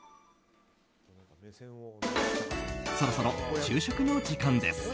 そろそろ昼食の時間です。